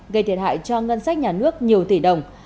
gây thiệt hại cho ngân sách nhà nước nhiều tỷ đồng